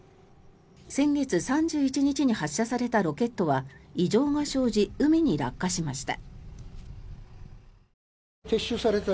先月３１日に発射されたロケットは異常が生じ、海に落下しました。